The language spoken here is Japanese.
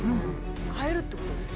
買えるってことですよ。